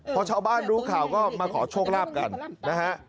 พอชาวบ้านรู้ข่าวก็มาขอโชคลาภกันนะฮะ